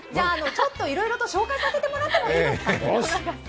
ちょっといろいろと紹介させてもらっていいですか？